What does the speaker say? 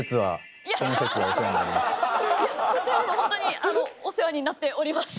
いやこちらもほんとにあのお世話になっております。